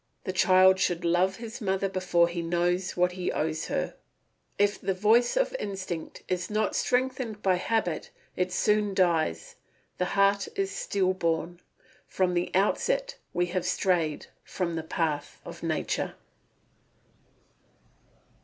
The child should love his mother before he knows what he owes her. If the voice of instinct is not strengthened by habit it soon dies, the heart is still born. From the outset we have strayed from the path of nature.